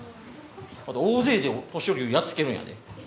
あと大勢で年寄りをやっつけるんやで。